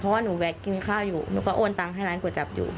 เพราะว่าหนูแวะกินข้าวอยู่หนูก็โอนตังให้ร้านก๋วยจับอยู่